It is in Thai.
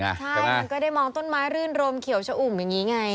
ใช่มันก็ได้มองต้นไม้รื่นรมเขียวชะอุ่มอย่างนี้ไง